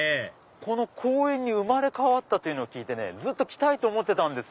この公園に生まれ変わったって聞いてずっと来たいと思ってたんです。